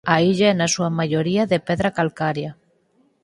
A illa é na súa maioría de pedra calcaria.